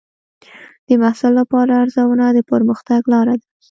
د محصل لپاره ارزونه د پرمختګ لار ده.